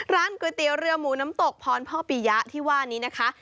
ร้านก๋วยเตี๋ยวเรือหมูน้ำตกพรพ่อปียะที่ว่านี้นะคะ